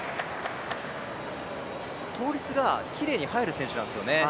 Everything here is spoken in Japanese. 倒立がきれいに入る選手なんですよね。